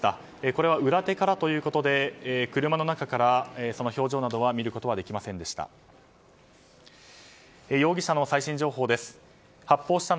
これは裏手からということで車の中からその表情などを見ることはできませんでした。